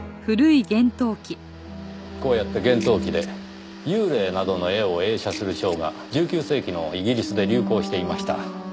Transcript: こうやって幻灯機で幽霊などの絵を映写するショーが１９世紀のイギリスで流行していました。